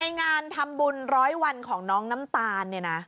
งานทำบุญร้อยวันของน้องน้ำตาลเนี่ยนะ